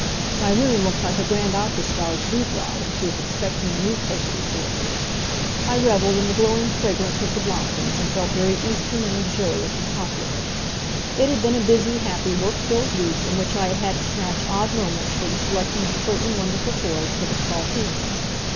My room looked like a grand opera star's boudoir when she is expecting the newspaper reporters. I reveled in the glowing fragrance of the blossoms and felt very eastern and luxurious and popular. It had been a busy, happy, work filled week, in which I had had to snatch odd moments for the selecting of certain wonderful toys for the Spalpeens.